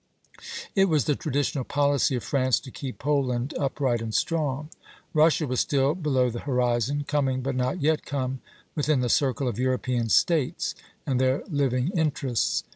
It was the traditional policy of France to keep Poland upright and strong. Russia was still below the horizon; coming, but not yet come, within the circle of European States and their living interests.